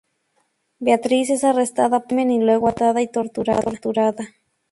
Beatrix es arrestada por el crimen, y luego atada y torturada.